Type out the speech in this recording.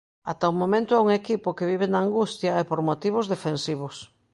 Ata o momento é un equipo que vive na angustia e por motivos defensivos.